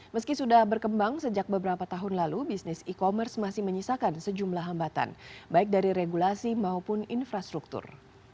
meski sudah berkembang sejak beberapa tahun lalu bisnis e commerce masih menyisakan sejumlah hambatan baik dari regulasi maupun infrastruktur